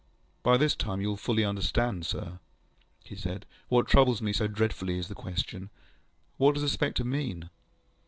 ŌĆ£By this time you will fully understand, sir, ŌĆØ he said, ŌĆ£that what troubles me so dreadfully is the question, What does the spectre mean?